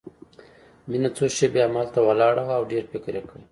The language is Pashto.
مينه څو شېبې همهغلته ولاړه وه او ډېر فکر يې کاوه.